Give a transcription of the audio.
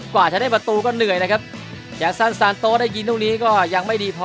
กว่าจะได้ประตูก็เหนื่อยนะครับยาซันซานโต๊ได้ยินลูกนี้ก็ยังไม่ดีพอ